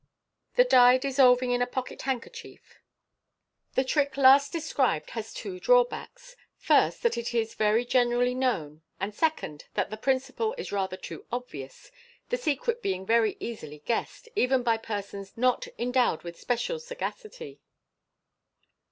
The Die Dissolving in a Pocket Handkerchief. — The trick MODERN MAGIC, 421 last described has two drawbacks — first, that it is very generally known, and, second, that the principle is rather too obvious, the secret being very easily guessed, even by persons not endowed with spec \ sagacity.